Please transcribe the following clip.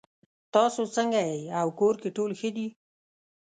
تاسو څنګه یې او کور کې ټول ښه دي